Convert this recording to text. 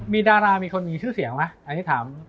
มีดารามีคนมีชื่อเสียงไหมอันนี้ถาม